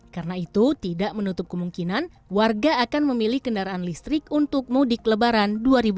karena itu tidak menutup kemungkinan warga akan memilih kendaraan listrik untuk mudik lebaran dua ribu dua puluh tiga